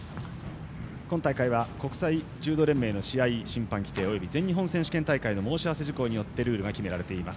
今大会は国際柔道連盟の試合規定および全日本柔道協会の申し合わせ事項によってルールが決められています。